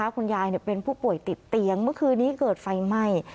คุณยายเป็นผู้ป่วยติดเตียงเมื่อคืนนี้เกิดไฟไหม้